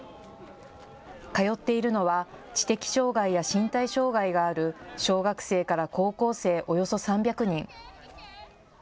通っているのは知的障害や身体障害がある小学生から高校生およそ３００人。